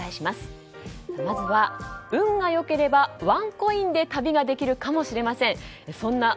まずは運が良ければワンコインで旅ができるかもしれません。